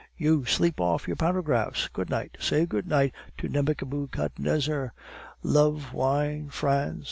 "You! sleep off your paragraphs! Good night! Say good night to Nebuchadnezzar! Love! Wine! France!